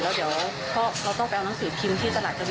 แล้วเดี๋ยวเราต้องไปเอานังสือพิมพ์ที่ตลาดก็มี